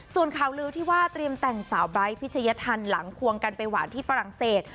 ส่วนข่าวลือที่ว่าเตรียมแต่งสาวไบร์ทพิชยธรรมหลังควงกันไปหวานที่ฝรั่งเศส